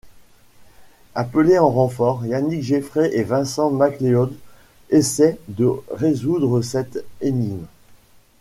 Appelés en renfort, Yannick Jeffrey et Vincent McLeod essayent de résoudre cette énigme.